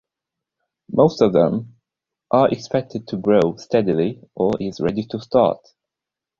Most of them are expected to grow steadily or is ready to start.